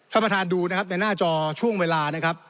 ท่านประธานดูนะครับในหน้าจอช่วงเวลานะครับ